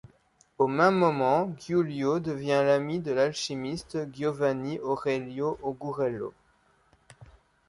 Au même moment, Giulio devient l'ami de l'alchimiste Giovanni Aurelio Augurello.